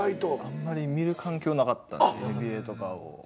あんまり見る環境なかったんでＮＢＡとかを。